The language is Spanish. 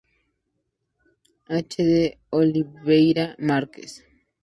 H. de Oliveira Marques.